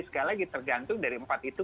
sekali lagi tergantung dari empat itu